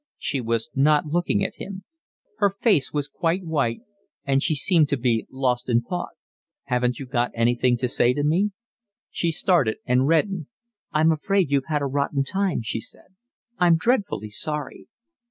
She was not looking at him. Her face was quite white, and she seemed to be lost in thought. "Haven't you got anything to say to me?" She started and reddened. "I'm afraid you've had a rotten time," she said. "I'm dreadfully sorry."